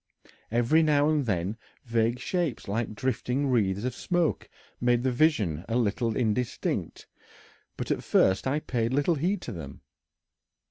Every now and then vague shapes like drifting wreaths of smoke made the vision a little indistinct, but at first I paid little heed to them.